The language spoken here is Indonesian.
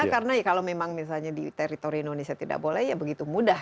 karena kalau memang misalnya di teritori indonesia tidak boleh ya begitu mudah